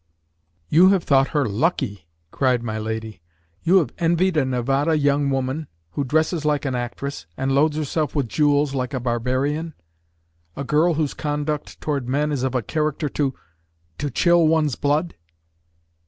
"You have thought her lucky!" cried my lady. "You have envied a Nevada young woman, who dresses like an actress, and loads herself with jewels like a barbarian? A girl whose conduct toward men is of a character to to chill one's blood!"